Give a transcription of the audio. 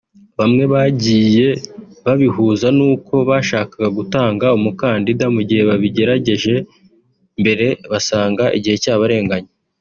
Bamwe bagiye babihuza n’uko bashakaga gutanga umukandida mu gihe babigerageje mbere bagasanga igihe cyabarenganye